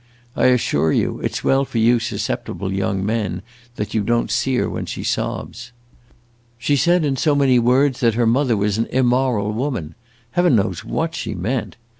I assure you it 's well for you susceptible young men that you don't see her when she sobs. She said, in so many words, that her mother was an immoral woman. Heaven knows what she meant.